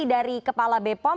terima kasih dari kepala bepom